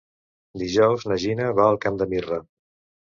Dijous na Gina va al Camp de Mirra.